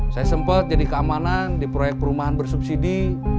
saya sempat jadi keamanan di proyek perumahan bersubsidi